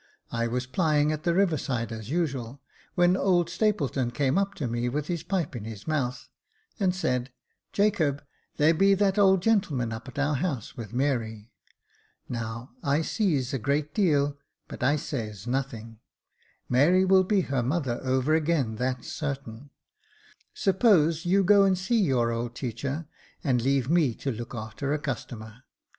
I was plying at the river side as usual, when old Stapleton came up to me, with his pipe in his mouth, and said, " Jacob, there be that old gentleman up at our house with Mary. Now, I sees a great deal, but I says nothing. Mary will be her mother over again, that's sartain. Suppose you go and see your old teacher, and leave me to look a'ter a customer.